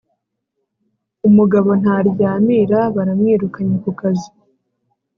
Umugabo ntaryamira baramwirukanye kukazi